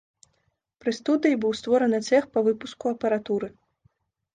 Пры студыі быў створаны цэх па выпуску апаратуры.